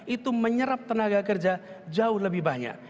itu menyerap tenaga kerja jauh lebih banyak